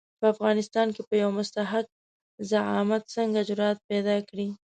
په افغانستان کې به یو مستحق زعامت څنګه جرآت پیدا کړي.